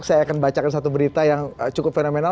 saya akan bacakan satu berita yang cukup fenomenal